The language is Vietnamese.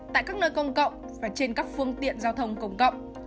tại các nơi công cộng và trên các phương tiện giao thông công cộng